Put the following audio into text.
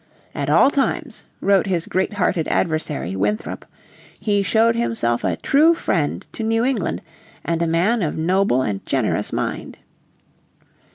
"At all times," wrote his great hearted adversary, Winthrop, "he showed himself a true friend to New England, and a man of noble and generous mind."